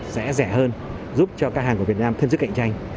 sẽ rẻ hơn giúp cho các hàng của việt nam thêm sức cạnh tranh